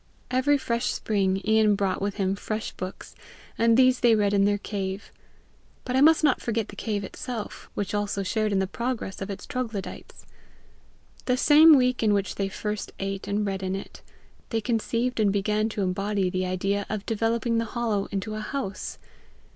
Every fresh spring, Ian brought with him fresh books, and these they read in their cave. But I must not forget the cave itself, which also shared in the progress of its troglodytes. The same week in which they first ate and read in it, they conceived and began to embody the idea of developing the hollow into a house.